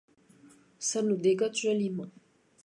Ça nous dégotte joliment!